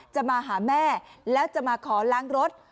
จะมาหาแม่แล้วจะมาขอล้างรถ